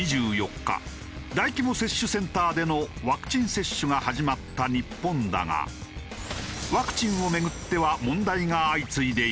日大規模接種センターでのワクチン接種が始まった日本だがワクチンをめぐっては問題が相次いでいる。